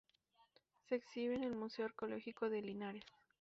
Se exhibe en el Museo Arqueológico de Linares.